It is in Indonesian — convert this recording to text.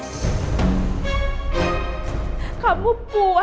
kamu puas melarang hak anak anak untuk bicara